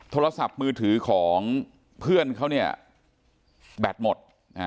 โทรศัพท์มือถือของเพื่อนเขาเนี่ยแบตหมด